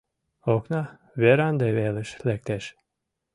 Окна веранде велыш лектеш.